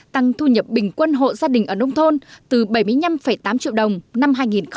tăng thu nhập bình quân hộ gia đình ở nông thôn từ bảy mươi năm tám triệu đồng năm hai nghìn một mươi bảy